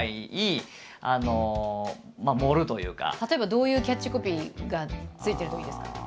例えばどういうキャッチコピーがついてるといいですかね。